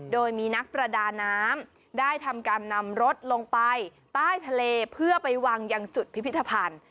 โดยมีนักประดาน้ำได้ทำการนำรถลงไปใต้ทะเลเพื่อไปวางยังจุดพิพิธภัณฑ์